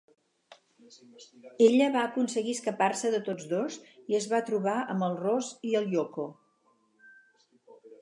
Ella va aconseguir escapar-se de tots dos i es va trobar amb el Ross i el Yoko.